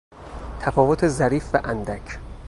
تفاوت ظریف و اندک